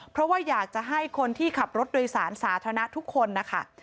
เพราะว่าอยากจะให้คนที่ขับรถโดยสารสาธารณะทุกคนนะคะ